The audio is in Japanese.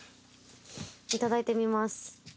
いただいてみます。